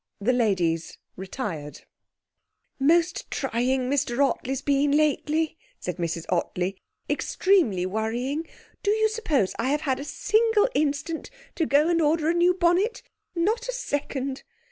The ladies retired. 'Most trying Mr Ottley's been lately,' said Mrs Ottley. 'Extremely worrying. Do you suppose I have had a single instant to go and order a new bonnet? Not a second!